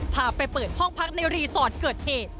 พาไปเปิดห้องพักในรีสอร์ทเกิดเหตุ